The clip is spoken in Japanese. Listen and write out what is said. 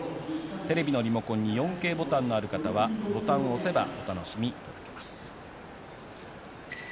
テレビのリモコンに４Ｋボタンのある方はボタンを押せばお楽しみいただけます。